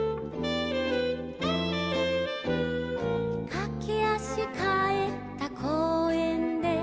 「かけ足かえった公園で」